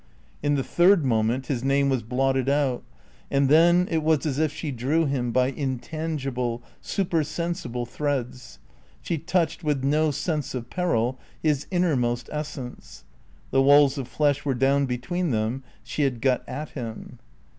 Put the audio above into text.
In the third moment his name was blotted out. And then it was as if she drew him by intangible, supersensible threads; she touched, with no sense of peril, his innermost essence; the walls of flesh were down between them; she had got at him.